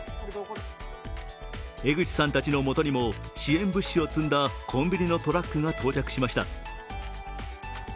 江口さんたちの元にも支援物資を積んだコンビニのトラックが到着しました。